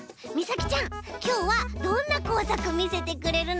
きょうはどんなこうさくみせてくれるの？